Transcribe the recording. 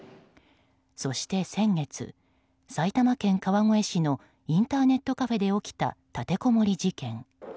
そして先月、埼玉県川越市のインターネットカフェで起きた立てこもり事件。